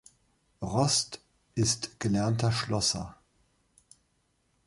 Rost ist gelernter Schlosser.